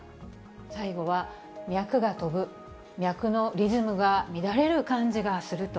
最後は、脈が飛ぶ、脈のリズムが乱れる感じがすると。